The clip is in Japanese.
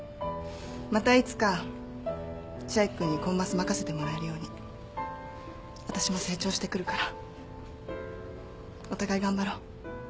またいつか千秋君にコンマス任せてもらえるようにわたしも成長してくるから。お互い頑張ろう。